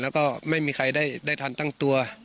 แล้วก็ไม่มีใครได้ทันตั้งตัว